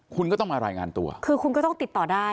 คุณก็ต้องมารายงานตัวคือคุณก็ต้องติดต่อได้